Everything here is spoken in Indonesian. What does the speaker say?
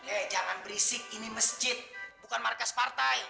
eh jangan berisik ini masjid bukan markas partai